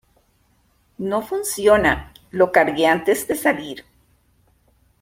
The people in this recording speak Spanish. No funciona. Lo cargué antes de salir .